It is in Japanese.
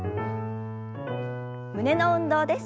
胸の運動です。